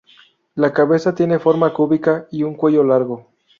La cabeza tiene forma cúbica y un cuello largo.